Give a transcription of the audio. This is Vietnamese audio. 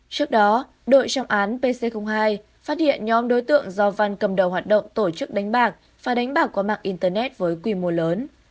trước đó đội trọng án pc hai phát hiện nhóm đối tượng do văn cầm đầu hoạt động tổ chức đánh bạc và đánh bạc qua mạng internet với quy mô lớn